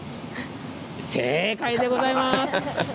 正解でございます。